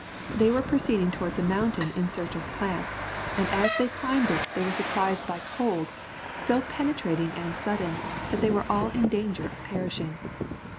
They were proceeding towards a mountain in search of plants, and as they climbed it they were surprised by cold, so penetrating and sudden, that they were all in danger of perishing.